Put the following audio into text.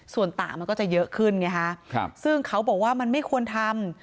ส่วนต่างมันก็จะเยอะขึ้นไงฮะซึ่งเขาบอกว่ามันไม่ควรทำ